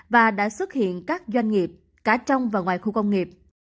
và đã xuất hiện các doanh nghiệp cả trong và ngoài khu công nghiệp